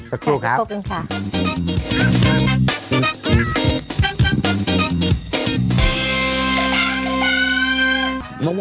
สกลูกครับขอบคุณครับ